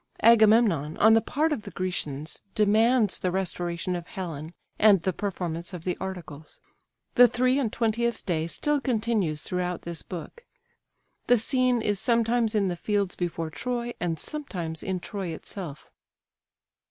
Agamemnon, on the part of the Grecians, demands the restoration of Helen, and the performance of the articles. The three and twentieth day still continues throughout this book. The scene is sometimes in the fields before Troy, and sometimes in Troy itself.